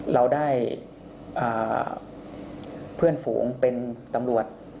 เราได้เพื่อนฝูงเป็นตำรวจ